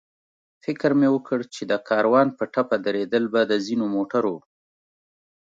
فکر مې وکړ چې د کاروان په ټپه درېدل به د ځینو موټرو.